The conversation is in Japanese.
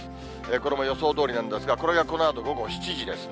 これも予想どおりなんですが、これがこのあと午後７時ですね。